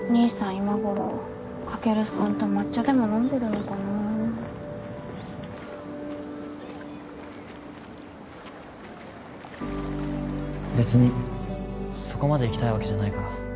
今頃カケルさんと抹茶でも飲んでるのかな別にそこまで行きたいわけじゃないから